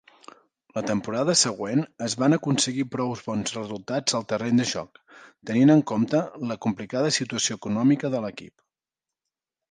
La temporada següent es van aconseguir prou bons resultats al terreny de joc, tenint en compte la complicada situació econòmica de l'equip.